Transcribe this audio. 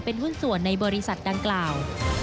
เป็นหุ้นส่วนในบริษัทดังกล่าว